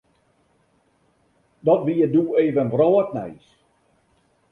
Dat wie doe even wrâldnijs.